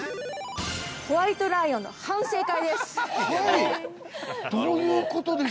ホワイトライオンの反省会です。